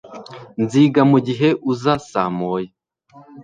Nziga mugihe uza saa moya